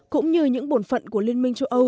cũng như những bổn phận của liên minh châu âu